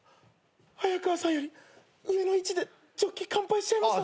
ハヤカワさんより上の位置でジョッキ乾杯しちゃいました。